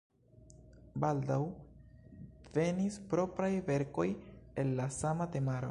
Baldaŭ venis propraj verkoj el la sama temaro.